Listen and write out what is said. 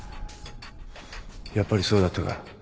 やっぱりそうだったか